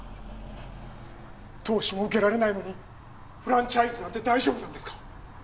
投資も受けられないのにフランチャイズなんて大丈夫なんですか？